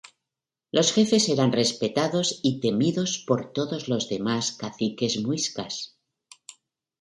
Los jefes eran respetados y temidos por todos los demás caciques muiscas.